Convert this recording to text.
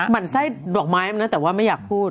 หั่นไส้ดอกไม้นะแต่ว่าไม่อยากพูด